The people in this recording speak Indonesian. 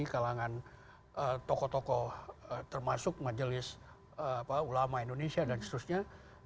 kalangan tokoh tokoh termasuk majelis ulama indonesia dan seterusnya